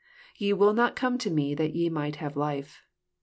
" Ye will not come to Me that ye might have life."